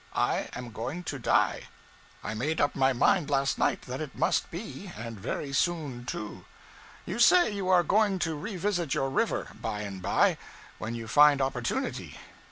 I am going to die. I made up my mind last night that it must be, and very soon, too. You say you are going to revisit your river, by and bye, when you find opportunity.